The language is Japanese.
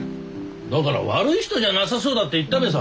だから悪い人じゃなさそうだって言ったべさ。